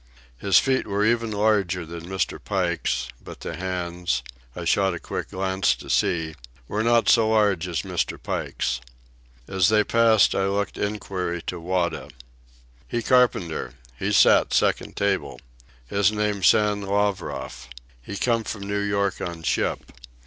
His feet were even larger than Mr. Pike's, but the hands—I shot a quick glance to see—were not so large as Mr. Pike's. As they passed I looked inquiry to Wada. "He carpenter. He sat second table. His name Sam Lavroff. He come from New York on ship.